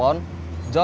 yang mana tuh